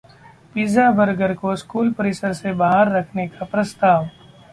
pizza, burger को school परिसर से बाहर रखने का प्रस्ताव